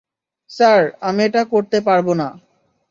Sir, আমি এটা করতে পারব না।